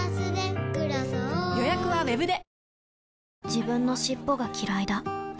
自分の尻尾がきらいだ